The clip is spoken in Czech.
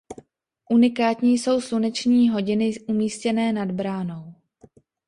Unikátní jsou sluneční hodiny umístěné nad bránou.